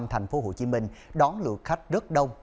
tp hcm đón lượt khách rất đông